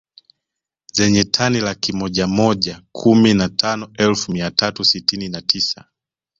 Zenye tani laki moja moja kumi na tano elfu mia tatu sitini na tisa